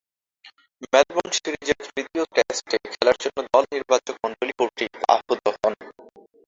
মেলবোর্নে সিরিজের তৃতীয় টেস্টে খেলার জন্য দল নির্বাচকমণ্ডলী কর্তৃক আহুত হন।